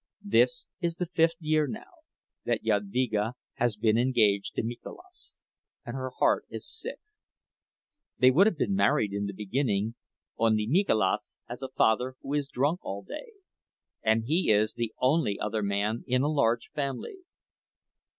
This is the fifth year, now, that Jadvyga has been engaged to Mikolas, and her heart is sick. They would have been married in the beginning, only Mikolas has a father who is drunk all day, and he is the only other man in a large family.